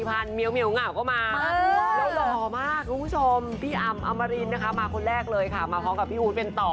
ปีที่อาร์มอมมารินมาคนแรกเลยค่ะมาพร้อมกับพี่อู๋เป็นต่อ